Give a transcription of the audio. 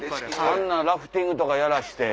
あんなラフティングとかやらせて。